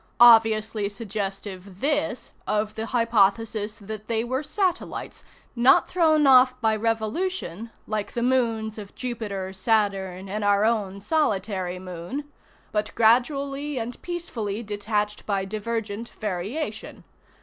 Obviously suggestive this of the hypothesis that they were satellites, not thrown off by revolution, like the moons of Jupiter, Saturn, and our own solitary moon, but gradually and peacefully detached by divergent variation.